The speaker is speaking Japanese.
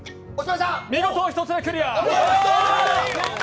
見事１つ目クリア！